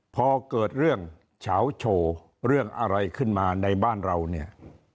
พอเกิดเรื่องเฉาโชว์เรื่องอะไรขึ้นมาในบ้านเราเนี่ย